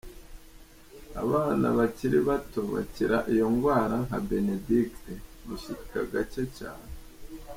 Abana bakiri bato bakira iyo ngwara nka Benedicte, bishika gake cane.